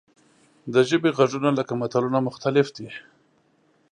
د ژبې غږونه لکه ملتونه مختلف دي.